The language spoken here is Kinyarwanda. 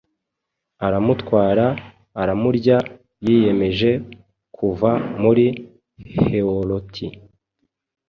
aramutwara aramurya Yiyemeje kuva muri Heoroti